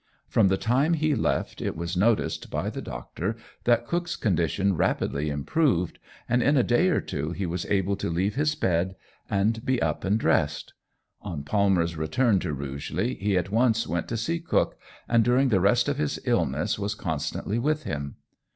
From the time he left, it was noticed by the doctor that Cook's condition rapidly improved, and in a day or two he was able to leave his bed and be up and dressed. On Palmer's return to Rugeley he at once went to see Cook and during the rest of his illness was constantly with him.